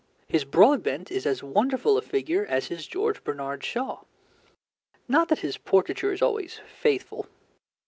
His Broadbent is as wonderful a figure as his George Bernard Shaw. Not that his portraiture is always faithful.